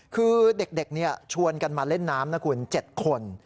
คือเด็กชวนกันมาเล่นน้ำนะคุณ๗คน